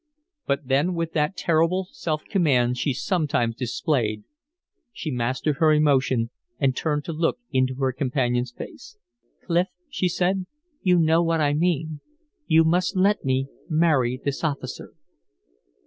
But then with that terrible self command she sometimes displayed, she mastered her emotion and turned to look into her companion's face. "Clif," she said, "you know what I mean. You must let me marry this officer."